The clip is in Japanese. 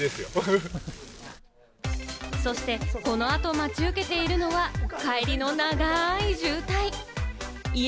そしてこの後、待ち受けているのは帰りの長い渋滞。